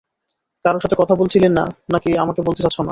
কারো সাথে কথা বলছিলে না, না কি আমাকে বলতে চাচ্ছ না?